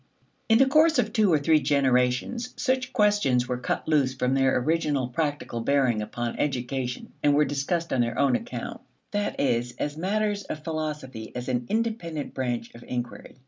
In the course of two or three generations such questions were cut loose from their original practical bearing upon education and were discussed on their own account; that is, as matters of philosophy as an independent branch of inquiry.